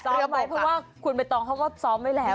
ไว้เพราะว่าคุณใบตองเขาก็ซ้อมไว้แล้ว